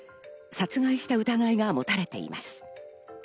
殺害した疑いが持たれています。